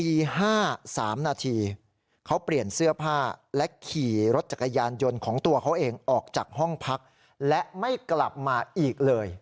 ๕๓นาทีเขาเปลี่ยนเสื้อผ้าและขี่รถจักรยานยนต์ของตัวเขาเองออกจากห้องพักและไม่กลับมาอีกเลย